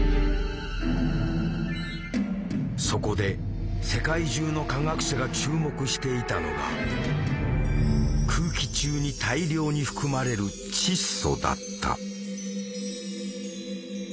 そこで世界中の化学者が注目していたのが空気中に大量に含まれる「窒素」だった。